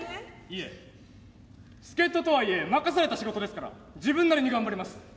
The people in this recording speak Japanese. いえ助っ人とはいえ任された仕事ですから自分なりに頑張ります。